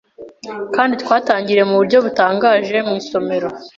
kandi twatangiriye ku buryo butangaje mu isomero